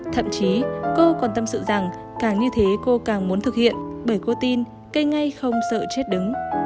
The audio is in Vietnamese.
thậm chí cô còn tâm sự rằng càng như thế cô càng muốn thực hiện bởi cô tin cây ngay không sợ chết đứng